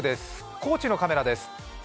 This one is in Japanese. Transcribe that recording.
高知のカメラです。